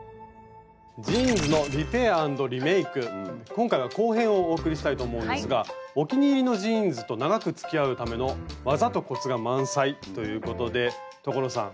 今回は後編をお送りしたいと思うんですがお気に入りのジーンズと長くつきあうための技とコツが満載ということで所さん